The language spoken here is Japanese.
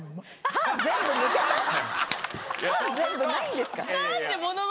歯全部ないんですか？